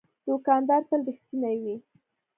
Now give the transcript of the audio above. دوکاندار تل رښتینی وي.